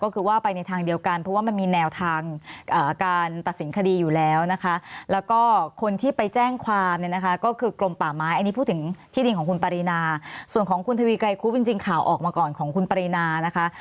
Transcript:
ส่วนของคุณทวีไกรครูปจริงข่าวออกมาก่อนของคุณปรินานะคะ